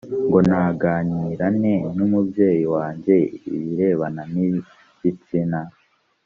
ngo naganira nte n umubyeyi wanjye ibirebana n ibitsina